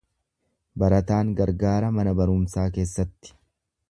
Barataan gargaara mana barumsaa keessatti.